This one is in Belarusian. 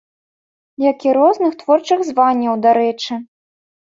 Як і розных творчых званняў, дарэчы.